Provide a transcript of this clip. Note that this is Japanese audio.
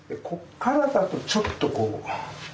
こっからだとちょっとこう。